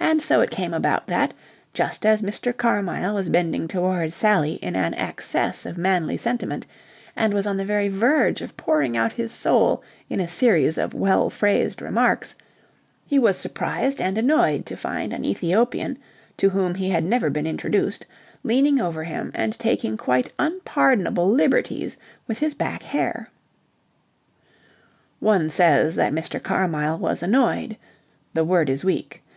And so it came about that, just as Mr. Carmyle was bending towards Sally in an access of manly sentiment, and was on the very verge of pouring out his soul in a series of well phrased remarks, he was surprised and annoyed to find an Ethiopian to whom he had never been introduced leaning over him and taking quite unpardonable liberties with his back hair. One says that Mr. Carmyle was annoyed. The word is weak.